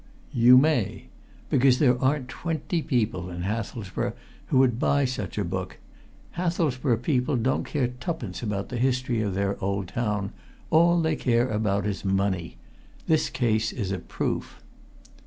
"You may! Because there aren't twenty people in Hathelsborough who would buy such a book. Hathelsborough people don't care twopence about the history of their old town all they care about is money. This case is a proof!"